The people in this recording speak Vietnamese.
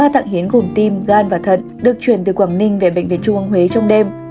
ba thận hiến gồm tim gan và thận được chuyển từ quảng ninh về bệnh viện trung ương huế trong đêm